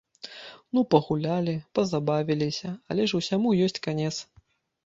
Ну, пагулялі, пазабавіліся, але ж усяму ёсць канец.